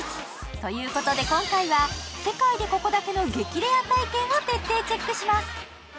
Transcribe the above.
ということで、今回は世界でここだけの激レア体験を徹底チェックします。